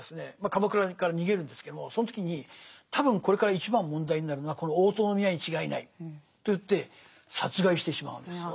鎌倉から逃げるんですけどもその時に多分これから一番問題になるのはこの大塔宮に違いないと言って殺害してしまうんですよ